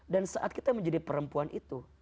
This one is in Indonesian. dan saat kita menjadi perempuan itu